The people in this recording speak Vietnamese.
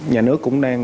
nhà nước cũng đang